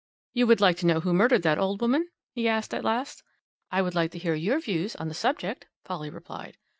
"You would like to know who murdered that old woman?" he asked at last. "I would like to hear your views on the subject," Polly replied.